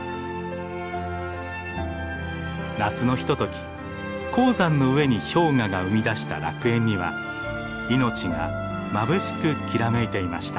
夏のひととき高山の上に氷河が生み出した楽園には命がまぶしくきらめいていました。